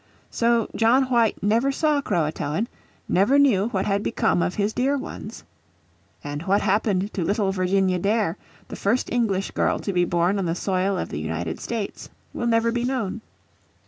So John White never saw Croatoan, never knew what had become of his dear ones. And what happened to little Virginia Dare, the first English girl to be born on the soil of the United States, will never be known.